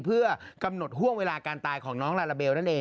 เพื่อกำหนดห่วงเวลาการตายของน้องลาลาเบลนั่นเอง